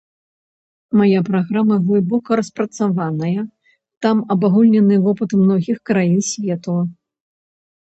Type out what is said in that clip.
Мая праграма глыбока распрацаваная, там абагульнены вопыт многіх краін свету.